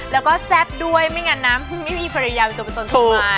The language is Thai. แล้วก็ด้วยไม่งั้นนะเพิ่งไม่มีภรรยาที่ตัวต้นตัว